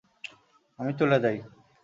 আমি চলে যাই।